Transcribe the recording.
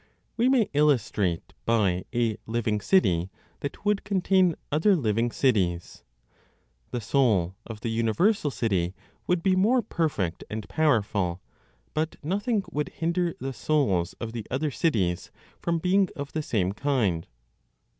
We may illustrate by a living city that would contain other living cities. The soul of the universal City would be more perfect and powerful; but nothing would hinder the souls of the other cities from being of the same kind.